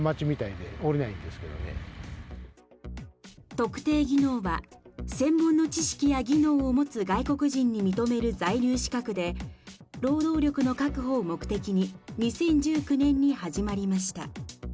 特定技能は専門の知識や技能を持つ外国人に認める在留資格で、労働力の確保を目的に２０１９年に始まりました。